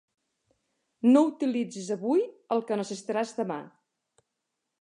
No utilitzis avui el que necessitaràs demà.